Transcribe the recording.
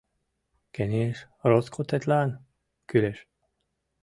Кеҥеж роскотетлан кӱлеш.